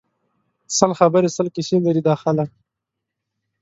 سل خبری سل کیسی لري دا خلک